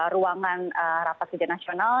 ruangan rapat kejahatan nasional